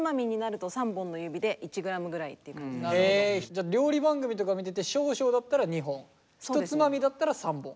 じゃあ料理番組とか見てて少々だったら２本一つまみだったら３本。